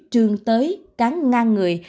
trương tới cáng ngang người